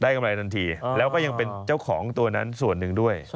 กำไรทันทีแล้วก็ยังเป็นเจ้าของตัวนั้นส่วนหนึ่งด้วย